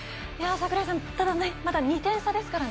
櫻井さん、まだ２点差ですから。